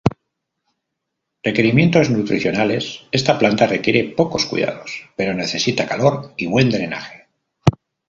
Requerimientos nutricionales: esta planta requiere pocos cuidados, pero necesita calor y buen drenaje.